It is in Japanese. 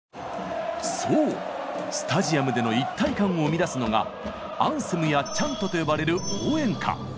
そうスタジアムでの一体感を生み出すのが「アンセム」や「チャント」と呼ばれる応援歌。